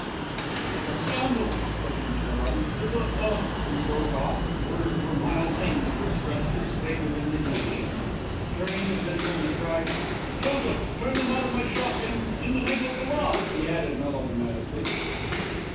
"It's a scandal," stuttered Mr. Hearty, "it's a a " He broke off, words were mild things to express his state of indignation. Turning to Bindle he cried, "Joseph, turn them out of my shop, in in the name of the Law," he added melodramatically.